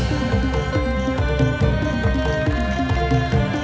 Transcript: เธอไม่รู้ว่าเธอไม่รู้